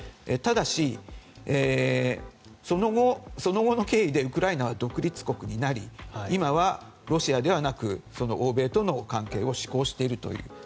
ただし、その後の経緯でウクライナは独立国になり今は、ロシアではなく欧米との関係を志向しているという。